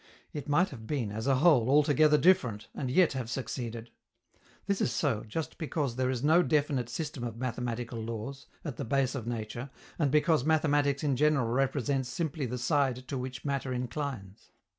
It might have been, as a whole, altogether different, and yet have succeeded. This is so, just because there is no definite system of mathematical laws, at the base of nature, and because mathematics in general represents simply the side to which matter inclines.